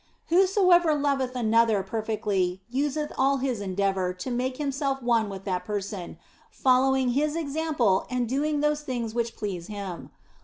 Whosoever loveth another perfectly useth all his en deavour to make himself one with that person, following his example and doing those things which please him.